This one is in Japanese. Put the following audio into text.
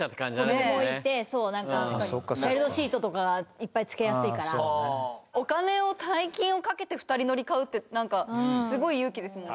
子どもいてそうなんかチャイルドシートとかがいっぱいつけやすいからお金を大金をかけて２人乗り買うってなんかすごい勇気ですもんね